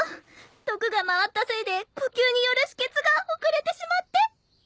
毒が回ったせいで呼吸による止血が遅れてしまって。